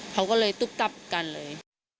เขาก็เลยตุ๊กตับกันเลย